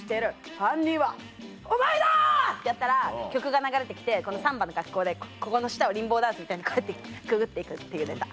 犯人はお前だ！」ってやったら曲が流れて来てこのサンバの格好でここの下をリンボーダンスみたいにこうやってくぐって行くっていうネタ。